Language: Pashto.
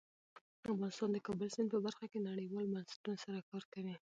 افغانستان د د کابل سیند په برخه کې نړیوالو بنسټونو سره کار کوي.